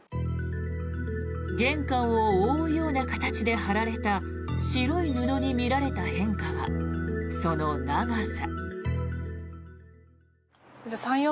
玄関を覆うような形で張られた白い布に見られた変化はその長さ。